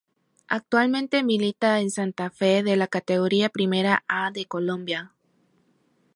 Actualmente milita en Santa Fe de la Categoría Primera A de Colombia.